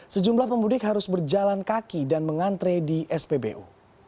sejumlah pemudik harus berjalan kaki dan mengantre di spbu